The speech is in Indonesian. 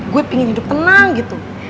gue pengen hidup tenang gitu